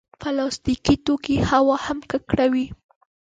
پلاستيکي توکي هوا هم ککړوي.